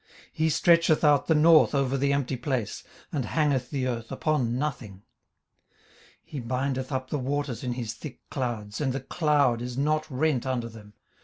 18:026:007 He stretcheth out the north over the empty place, and hangeth the earth upon nothing. 18:026:008 He bindeth up the waters in his thick clouds; and the cloud is not rent under them.